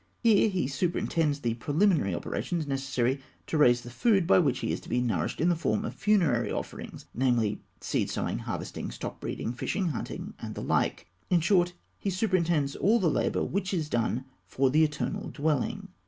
Here he superintends the preliminary operations necessary to raise the food by which he is to be nourished in the form of funerary offerings; namely, seed sowing, harvesting, stock breeding, fishing, hunting, and the like. In short, "he superintends all the labour which is done for the eternal dwelling."